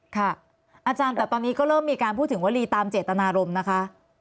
อาจารย์แต่ตอนนี้ก็เริ่มมีการพูดถึงวลีตามเจตนารมณ์นะคะ